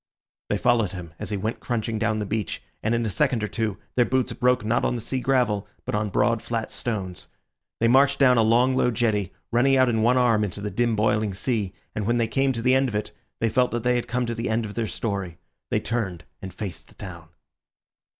They followed him as he went crunching down the beach, and in a second or two their boots broke not on the sea gravel, but on broad, flat stones. They marched down a long, low jetty, running out in one arm into the dim, boiling sea, and when they came to the end of it they felt that they had come to the end of their story. They turned and faced the town.